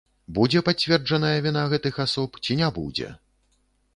Будзе пацверджаная віна гэтых асоб ці не будзе.